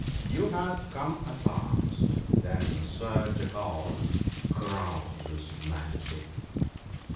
* You have come at last, then, Sir Jackal !' growled his Majesty.